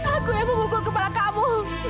aku yang memukul kepala kamu